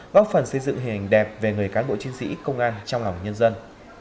góp phần xây dựng hình đẹp về người cán bộ chiến sĩ công an trong lòng nhân dân